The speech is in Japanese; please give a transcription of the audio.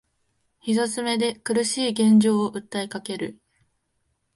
膝詰めで苦しい現状を訴えかける